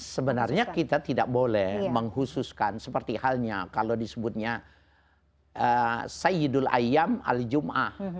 sebenarnya kita tidak boleh menghususkan seperti halnya kalau disebutnya sayyidul ayam al jum'ah